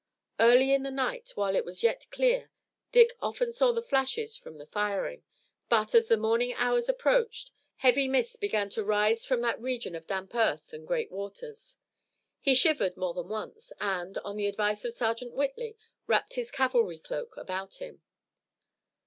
Early in the night while it was yet clear Dick often saw the flashes from the firing, but, as the morning hours approached, heavy mists began to rise from that region of damp earth and great waters. He shivered more than once, and on the advice of Sergeant Whitley wrapped his cavalry cloak about him.